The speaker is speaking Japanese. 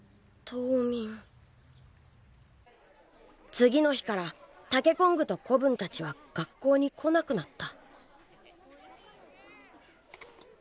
次の日からタケコングと子分たちは学校に来なくなった。